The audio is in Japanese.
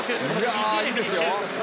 １位でフィニッシュ。